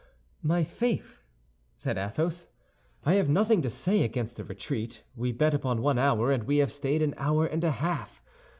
"My faith," said Athos, "I have nothing to say against a retreat. We bet upon one hour, and we have stayed an hour and a half.